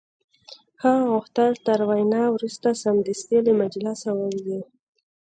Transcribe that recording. هغه غوښتل تر وینا وروسته سمدستي له مجلسه ووځي